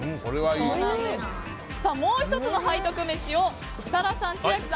もう１つの背徳めしを設楽さん、千秋さん